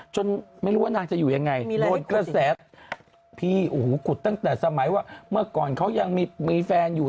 ไม่รู้ว่านางจะอยู่ยังไงโดนกระแสพี่โอ้โหขุดตั้งแต่สมัยว่าเมื่อก่อนเขายังมีแฟนอยู่